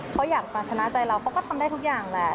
เขาอยากมาชนะใจเราเขาก็ทำได้ทุกอย่างแหละ